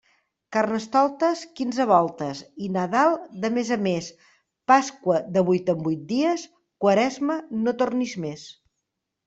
Carnestoltes quinze voltes i Nadal de mes a mes, Pasqua de vuit en vuit dies; Quaresma, no tornis més.